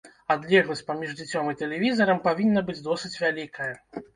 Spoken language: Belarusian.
Адлегласць паміж дзіцём і тэлевізарам павінна быць досыць вялікая.